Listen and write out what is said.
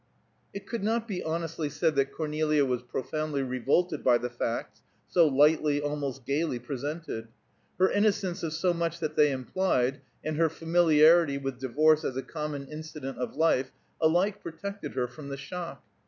It could not be honestly said that Cornelia was profoundly revolted by the facts so lightly, almost gaily, presented. Her innocence of so much that they implied, and her familiarity with divorce as a common incident of life, alike protected her from the shock.